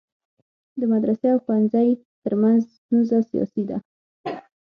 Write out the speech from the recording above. د مدرسي او ښوونځی ترمنځ ستونزه سیاسي ده.